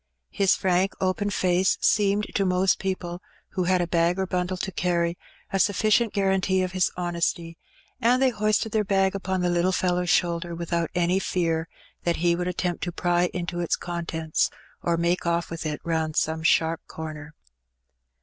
His frank open face seemed to most people, who had a bag or bundle to carry, a sufficient guarantee of his honesty, and they hoisted their bag upon the little fellow^s shoulder without any fear that he would attempt to pry into its contents, or make oflf with it round some sharp comer.